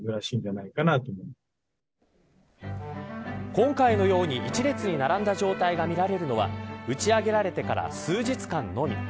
今回のように一列に並んだ状態が見られるのは打ち上げられてから数日間のみ。